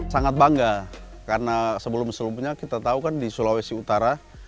sangat bangga karena sebelum sebelumnya kita tahu kan di sulawesi utara